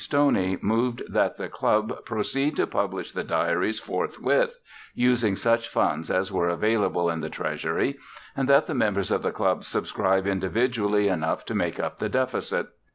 Stoney moved that the club proceed to publish the diaries forthwith, using such funds as were available in the treasury, and that the members of the club subscribe individually enough to make up the deficit.